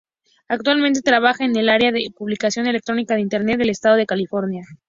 Actualmente trabaja en el área de publicación electrónica de internet del estado de California.